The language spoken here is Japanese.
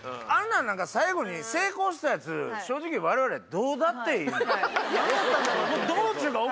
あんなんなんか最後に成功したやつ正直われわれどうだっていいのよ。